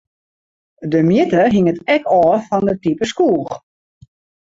De mjitte hinget ek ôf fan it type skoech.